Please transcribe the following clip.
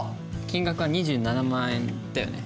金額は２７万円だよね。